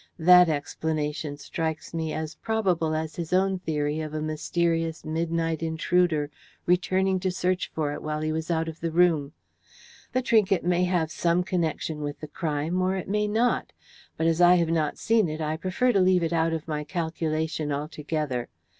That explanation strikes me as probable as his own theory of a mysterious midnight intruder returning to search for it while he was out of the room. The trinket may have some connection with the crime, or it may not, but as I have not seen it I prefer to leave it out of my calculation altogether.